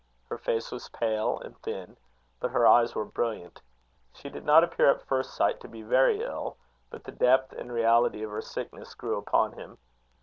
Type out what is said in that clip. Her face was pale and thin, but her eyes were brilliant. She did not appear at first sight to be very ill: but the depth and reality of her sickness grew upon him.